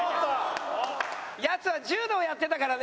やつは柔道やってたからね。